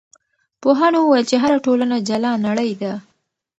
پوهانو وویل چې هره ټولنه جلا نړۍ ده.